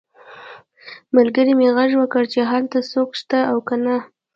ملګري مې غږ وکړ چې هلته څوک شته او که نه